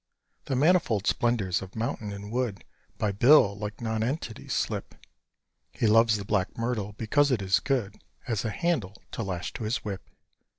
The manifold splendours of mountain and wood By Bill like nonentities slip; He loves the black myrtle because it is good As a handle to lash to his whip.